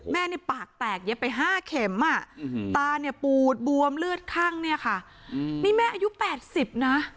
แม่ปากแตกแยะไป๕เข็มตาปูดบวมเลือดคั่งแม่อายุ๘๐นะ